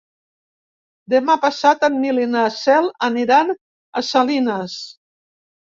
Demà passat en Nil i na Cel aniran a Salines.